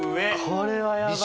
これはやばい。